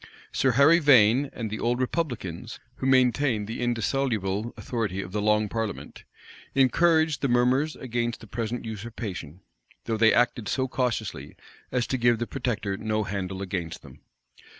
Sir Harry Vane and the old republicans, who maintained the indissoluble authority of the long parliament, encouraged the murmurs against the present usurpation; though they acted so cautiously as to give the protector no handle against them.